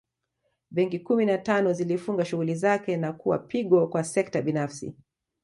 Benki kumi na tano zilifunga shughuli zake na kuwa pigo kwa sekta binafsi